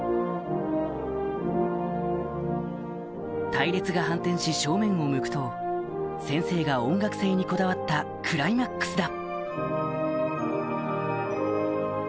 隊列が反転し正面を向くと先生が音楽性にこだわったクライマックスだ